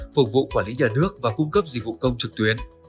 phục vụ quản lý nhà nước và cung cấp dịch vụ công trực tuyến